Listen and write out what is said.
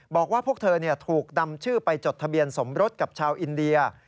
บอกว่าพวกเธอถูกนำชื่อไปจดทะเบียนสมรสกับชาวอินเดีย